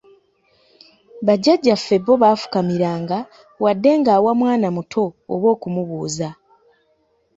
Bajjajjaffe bo baafukamiranga wadde ng'awa mwana muto oba okumubuuza.